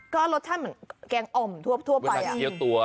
ก็รสชาติเหมือนแกงอ่อมทั่วไป